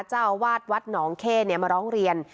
เจ้าอาวาสวัดหนองเข้มาร้องเรียน